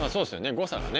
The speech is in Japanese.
誤差がね。